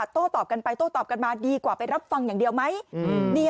โต้ตอบกันไปโต้ตอบกันมาดีกว่าไปรับฟังอย่างเดียวไหม